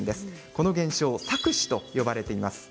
この現象、錯視と呼ばれています。